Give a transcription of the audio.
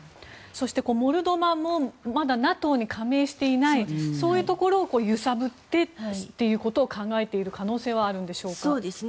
そして、モルドバもまだＮＡＴＯに加盟していないそういうところを揺さぶってということを考えている可能性はあるんでしょうか？